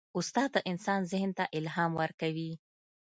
استاد د انسان ذهن ته الهام ورکوي.